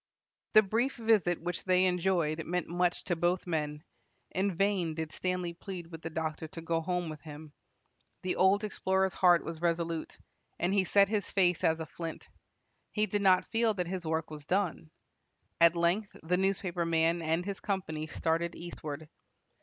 The brief visit which they enjoyed meant much to both men. In vain did Stanley plead with the doctor to go home with him. The old explorer's heart was resolute, and he set his face as a flint. He did not feel that his work was done. At length the newspaper man and his company started eastward.